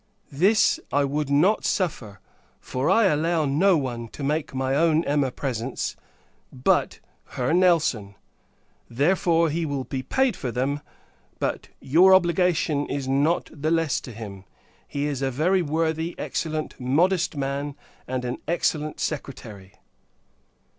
This I would not suffer; for I allow no one to make my own Emma presents, but her Nelson. Therefore, he will be paid for them; but, your obligation is not the less to him. He is a very worthy, excellent, modest man, and an excellent secretary.